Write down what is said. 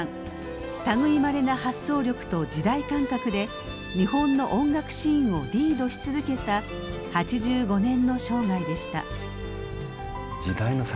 類いまれな発想力と時代感覚で日本の音楽シーンをリードし続けた８５年の生涯でした。